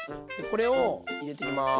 これを入れていきます。